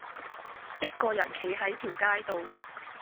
一個人企喺條街度